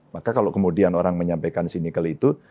maka kalau kemudian orang menyampaikan sinikal itu